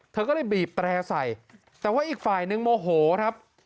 เธอก็เลยบีบแตร่ใส่แต่ว่าอีกฝ่ายนึงโมโหครับ